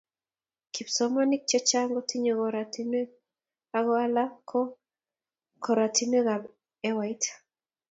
kipsomaninik chechang kotinyei korotwek ako ala ko korotwek ap ewait